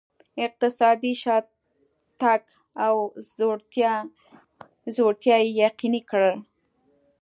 اقتصادي شاتګ او ځوړتیا یې یقیني کړل.